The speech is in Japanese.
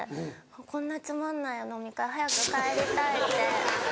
こんなつまんない飲み会早く帰りたいって。